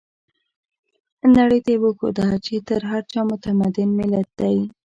نړۍ ته يې وښوده چې تر هر چا متمدن ملت دی.